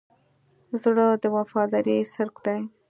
زړه د وفادارۍ څرک دی.